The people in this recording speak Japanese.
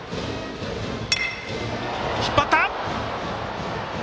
引っ張った！